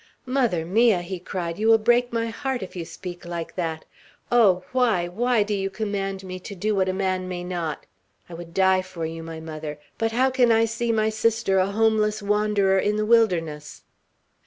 "Mother mia," he cried, "you will break my heart if you speak like that! Oh, why, why do you command me to do what a man may not? I would die for you, my mother; but how can I see my sister a homeless wanderer in the wilderness?"